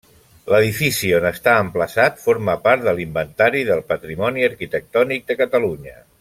L'edifici on està emplaçat forma part de l'Inventari del Patrimoni Arquitectònic de Catalunya.